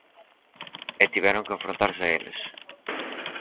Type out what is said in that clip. E tiveron que enfrontarse a eles.